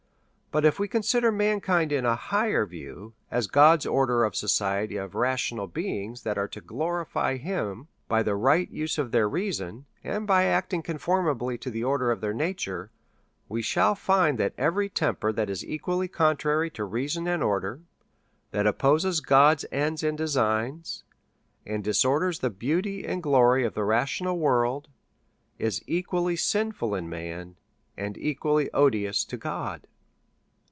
But if we consider mankind in a higher view, as God's order or society of rational beings, that are to glorify him by the right use of their reason, and by acting conformably to the order of their nature, we shall find that every temper that is equally contrary to reason and order, that opposes God's ends and de signs, and disorders the beauty and glory of the ra tional world, is equally sinful in man, and equally odious to God.